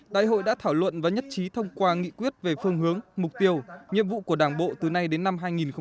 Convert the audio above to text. đại hội đã thảo luận và nhất trí thông qua nghị quyết về phương hướng mục tiêu nhiệm vụ của đảng bộ từ nay đến năm hai nghìn hai mươi năm